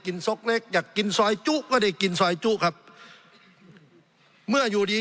สงบจนจะตายหมดแล้วครับ